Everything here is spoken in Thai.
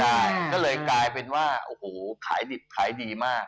ใช่ก็เลยกลายเป็นว่าโอ้โหขายดิบขายดีมาก